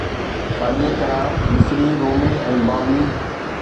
ساڳيءَ طرح مصري، رومي ۽ بابلي